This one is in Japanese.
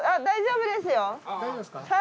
大丈夫ですか？